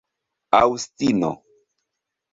aŭstino